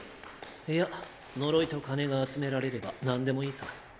いや呪いと金が集められればなんでもいいさ。